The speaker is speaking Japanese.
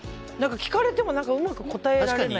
聞かれてもうまく答えられない。